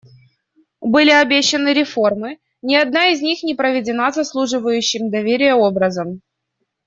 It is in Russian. Были обещаны реформы; ни одна из них не проведена заслуживающим доверия образом.